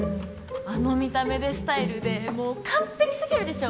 あの見た目でスタイルでもう完璧すぎるでしょ。